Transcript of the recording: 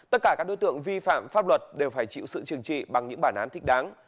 tất cả các đối tượng vi phạm pháp luật đều phải chịu sự trừng trị bằng những bản án thích đáng